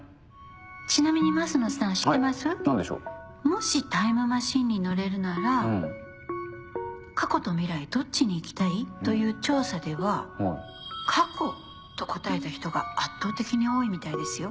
「もしタイムマシンに乗れるなら過去と未来どっちに行きたい？」という調査では過去と答えた人が圧倒的に多いみたいですよ。